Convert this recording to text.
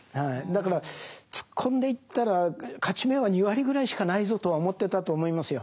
だから突っ込んでいったら勝ち目は２割ぐらいしかないぞとは思ってたと思いますよ。